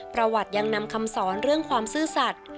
ประวัติยังนำคำสอนเรื่องความซื่อสัตว์